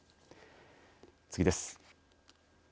次です。